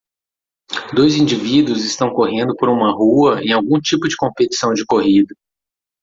Dois indivíduos estão correndo por uma rua em algum tipo de competição de corrida.